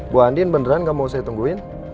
bu andin beneran gak mau saya tungguin